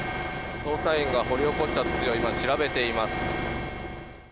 捜査員が掘り起こした土を今、調べています。